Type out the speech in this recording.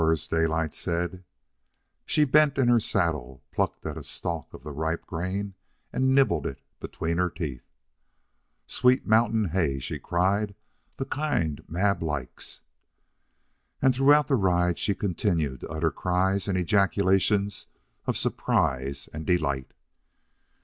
"Ours," Daylight said. She bent in her saddle, plucked a stalk of the ripe grain, and nibbled it between her teeth. "Sweet mountain hay," she cried. "The kind Mab likes." And throughout the ride she continued to utter cries and ejaculations of surprise and delight.